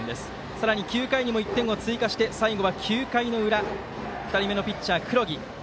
さらに９回にも１点を追加して最後は９回の裏２人目のピッチャー黒木。